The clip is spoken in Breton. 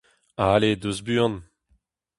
Ale, deus buan.